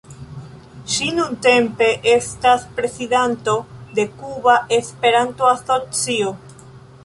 Ŝi nuntempe estas prezidanto de Kuba Esperanto-Asocio.